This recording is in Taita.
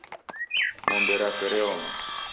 Ng'ombe rape reoma.